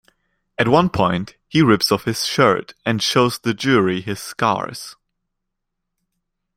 At one point, he rips off his shirt and shows the jury his scars.